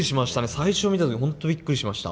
最初見た時本当びっくりしました。